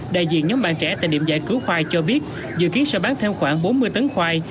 đại diện nhóm bạn trẻ tại điểm giải cứu khoai cho biết dự kiến sẽ bán thêm khoảng bốn mươi tấn khoai